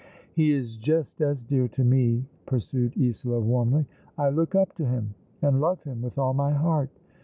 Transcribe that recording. "He is just as dear to me," pursued Isola, warmly. "I look up to him, and love him with all my heart.